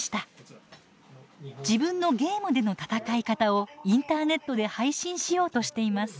自分のゲームでの戦い方をインターネットで配信しようとしています。